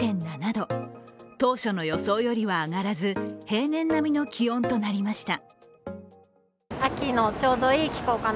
当初の予想よりは上がらず、平年並みの気温となりました。